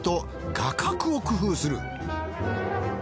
画角を工夫する。